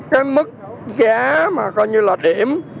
cái mức giá mà coi như là điểm